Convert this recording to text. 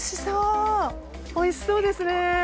おいしそうですね。